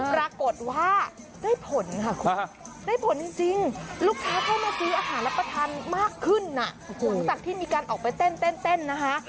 ปรากฏว่าได้ผลค่ะคุณได้ผลจริงลูกค้าเข้ามาซื้ออาหารรับประทานมากขึ้นหลังจากที่มีการออกไปเต้นนะคะ